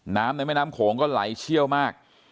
ในแม่น้ำโขงก็ไหลเชี่ยวมาก